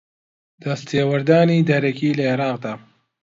دەستێوەردانی دەرەکی لە عێراقدا